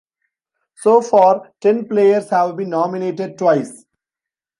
So far ten players have been nominated twice.